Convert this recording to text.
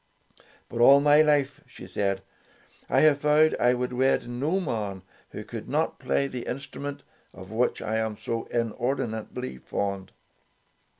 "But all my life,'" she said, "I have vowed I would wed no man who could not play the instrument of which I am so inordinately fond."